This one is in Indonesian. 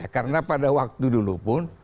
karena pada waktu dulu pun